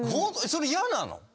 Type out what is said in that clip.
それ嫌なの？